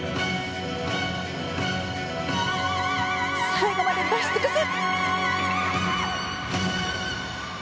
最後まで出し尽くせ！